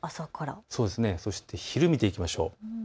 そして昼を見ていきましょう。